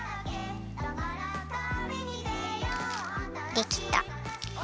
できた。